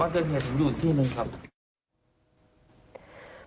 วันเกิดเหตุอยู่ที่นั้นครับ